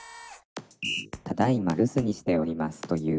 「ただいま留守にしておりますと言う」